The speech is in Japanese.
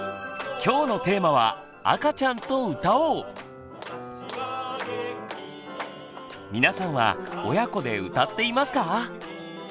今日のテーマは皆さんは親子で歌っていますか？